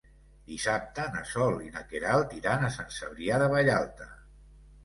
Dissabte na Sol i na Queralt iran a Sant Cebrià de Vallalta.